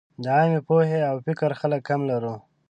د عامې پوهې او فکر خلک کم لرو.